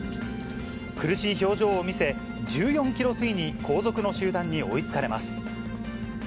苦しい表情を見せ、１４キロ過ぎに後続の集団に追いつかれます。